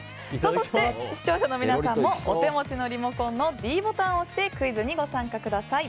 そして視聴者の皆さんもリモコンのｄボタンを押してクイズにご参加ください。